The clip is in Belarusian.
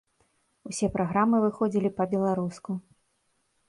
Усе праграмы выходзілі па-беларуску.